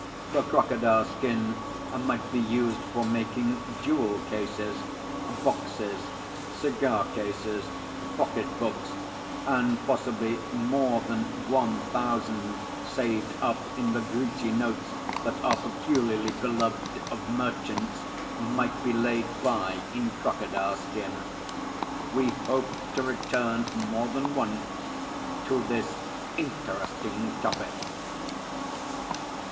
The crocodile skin might be used for making jewel cases, boxes, cigar cases, pocket books, and possibly more than one thousand saved up in the greasy notes that are peculiarly beloved of merchants might be laid by in crocodile skin. We hope to return more than once to this interesting topic."